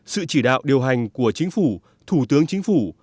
sự chỉ đạo điều hành của chính phủ thủ tướng chính phủ